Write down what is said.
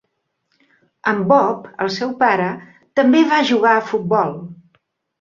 En Bob, el seu pare, també va jugar a futbol.